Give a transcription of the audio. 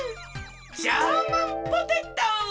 ジャーマンポテト！